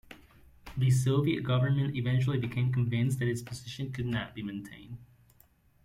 The Soviet Government eventually became convinced that its position could not be maintained.